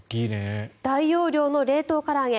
大容量の冷凍から揚げ